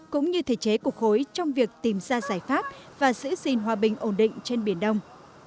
chế cục khối trong việc tìm ra giải pháp và giữ gìn hòa bình ổn định trên biển đông